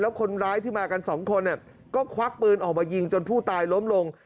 คนร้ายที่มากันสองคนก็ควักปืนออกมายิงจนผู้ตายล้มลง